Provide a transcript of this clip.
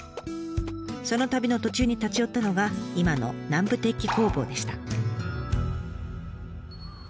その旅の途中に立ち寄ったのが今の南部鉄器工房でした。